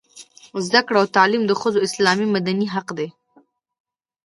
زده کړه او تعلیم د ښځو اسلامي او مدني حق دی.